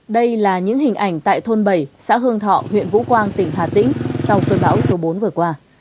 đây là những hình ảnh tại thôn bảy xã hương thọ huyện vũ quang tỉnh hà tĩnh sau cơn bão số bốn vừa qua